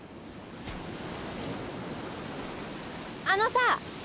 あのさ